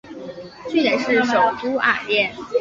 据点是首都艾尔甸。